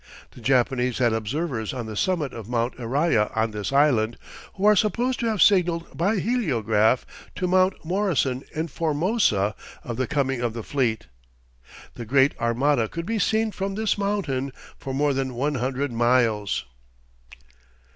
The Japanese had observers on the summit of Mt. Iraya on this island, who are supposed to have signaled by heliograph to Mt. Morrison in Formosa of the coming of the fleet. The great armada could be seen from this mountain for more than one hundred miles.